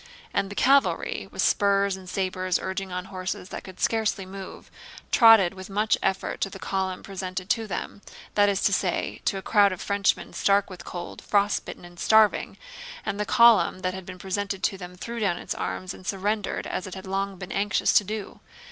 And the cavalry, with spurs and sabers urging on horses that could scarcely move, trotted with much effort to the column presented to them—that is to say, to a crowd of Frenchmen stark with cold, frost bitten, and starving—and the column that had been presented to them threw down its arms and surrendered as it had long been anxious to do.